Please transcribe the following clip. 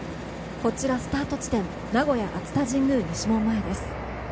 スタート地点名古屋・熱田神宮西門前です。